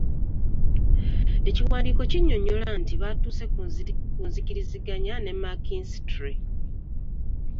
Ekiwandiiko knnyonnyola nti baatuuse ku nzikiriziganya ne McKinstry.